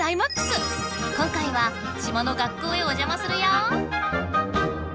今回は島の学校へおじゃまするよ！